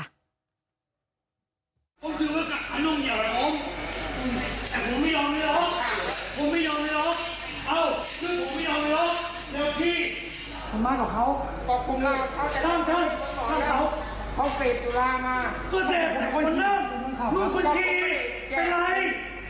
ดี